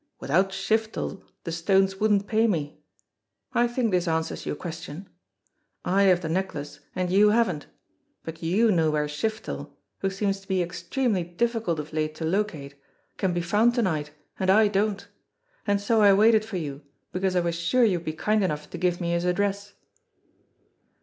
"Without Shiftel the stones wouldn't pay me. I think this answers your question. I have the necklace, and you haven't; but you know where Shiftel, who seems to be extremely difficult of late to locate, can be found to night, and I don't. And so I waited for you, because I was sure you would be kind enough to give me his address."